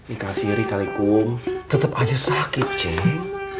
ikhlasiri khalikum tetap aja sakit ceng